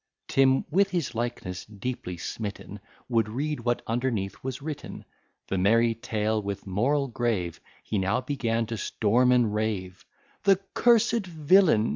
Tim, with his likeness deeply smitten, Would read what underneath was written, The merry tale, with moral grave; He now began to storm and rave: "The cursed villain!